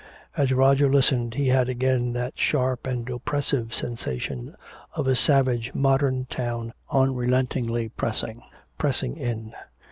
As Roger listened he had again that sharp and oppressive sensation of a savage modern town unrelentingly pressing, pressing in.